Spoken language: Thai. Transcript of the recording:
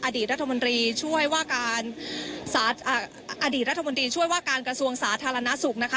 อดีตรัฐมนตรีช่วยว่าการกระทรวงสาธารณสุขนะคะ